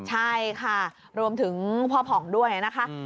ใช่ค่ะรวมถึงพ่อผ่องด้วยนะคะ